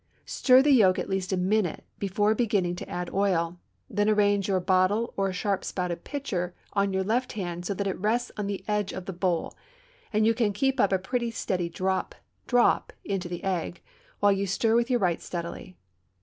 Stir the yolk at least a minute before beginning to add oil; then arrange your bottle or a sharp spouted pitcher in your left hand so that it rests on the edge of the bowl, and you can keep up a pretty steady drop, drop, into the egg, while you stir with your right steadily.